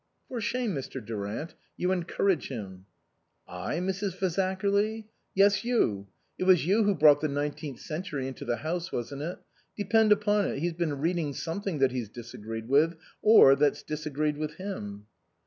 "For shame, Mr. Durant; you encourage him." " I, Mrs. Fazakerly ?"" Yes, you. It was you who brought the Nineteenth Century into the house, wasn't it? Depend upon it, he's been reading something that he's disagreed with, or that's disagreed with him."